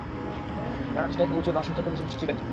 কেননা তা সবচাইতে উঁচু এবং সবচাইতে বেশি দৃষ্টিগ্রাহ্য।